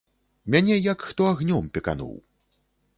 Мяне як хто агнём пекануў.